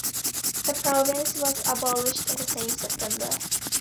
The province was abolished in the same September.